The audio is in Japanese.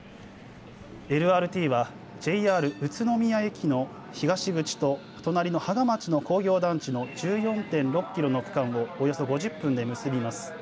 ＬＲＴはＪＲ宇都宮駅の東口と隣の芳賀町の工業団地の１４．６キロの区間をおよそ５０分で結びます。